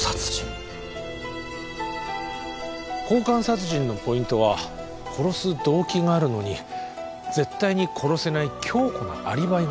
交換殺人のポイントは殺す動機があるのに絶対に殺せない強固なアリバイがあること